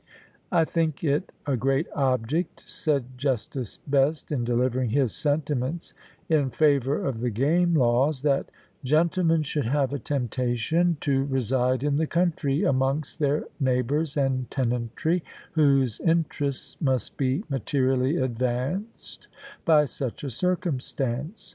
"I think it a great object," said Justice Best, in delivering his sentiments in favour of the Game Laws, "that gentlemen should have a temptation _to reside in the country, amongst their neighbours and tenantry, whose interests must be materially advanced by such a circumstance_.